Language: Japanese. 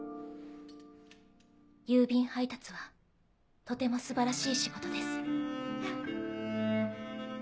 郵便配達はとても素晴らしい仕事です。